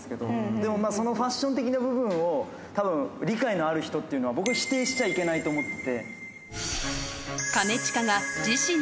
でもそのファッション的な部分を、たぶん理解のある人っていうのは、僕は否定しちゃいけないと思って。